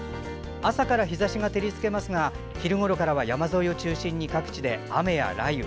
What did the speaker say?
朝から日ざしが照りつけますが昼ごろからは山沿いを中心に各地で雨や雷雨。